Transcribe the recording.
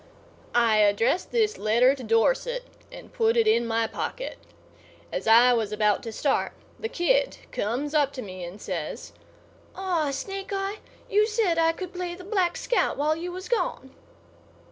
I addressed this letter to Dorset, and put it in my pocket. As I was about to start, the kid comes up to me and says: "Aw, Snake eye, you said I could play the Black Scout while you was gone."